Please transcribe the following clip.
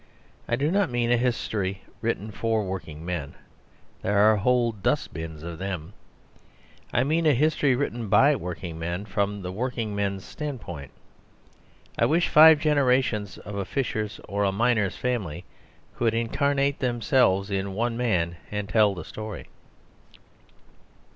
I do not mean a history written for working men (there are whole dustbins of them), I mean a history, written by working men or from the working men's standpoint. I wish five generations of a fisher's or a miner's family could incarnate themselves in one man and tell the story.